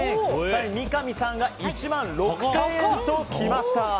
三上さんが１万６０００円ときました。